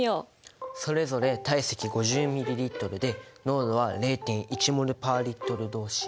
それぞれ体積５０ｍＬで濃度は０．１ｍｏｌ／Ｌ同士。